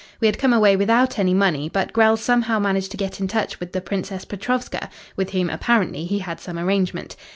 We had come away without any money, but Grell somehow managed to get in touch with the Princess Petrovska, with whom, apparently, he had some arrangement.